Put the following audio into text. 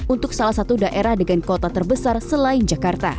untuk salah satu daerah dengan kota terbesar selain jakarta